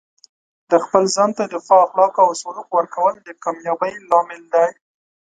د خپل ځان ته د ښه اخلاقو او سلوک ورکول د کامیابۍ لامل دی.